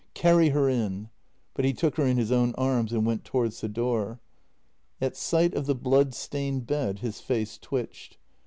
Carry her in," but he took her in his own arms and went towards the door. At sight of the blood stained bed his face twitched.